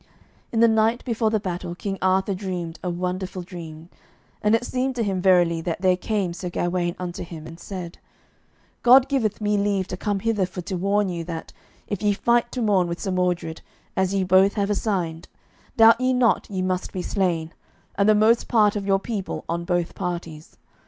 In the night before the battle King Arthur dreamed a wonderful dream, and it seemed to him verily that there came Sir Gawaine unto him, and said; "God giveth me leave to come hither for to warn you that, if ye fight to morn with Sir Mordred, as ye both have assigned, doubt ye not ye must be slain, and the most part of your people on both parties.